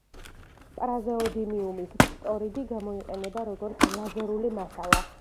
პრაზეოდიმიუმის ფტორიდი გამოიყენება როგორც ლაზერული მასალა.